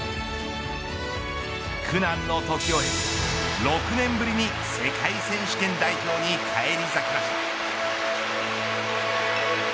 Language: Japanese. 苦難の時を経て６年ぶりに世界選手権代表に返り咲きました。